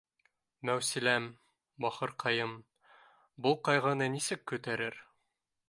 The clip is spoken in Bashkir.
— Мәүсиләм, бахырҡайым был ҡайғыны нисек күтә рер